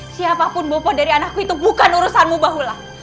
siapapun bopo dari anakku itu bukan urusanmu bahula